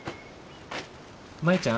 舞ちゃん。